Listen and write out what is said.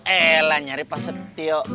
eh lah nyari pak setio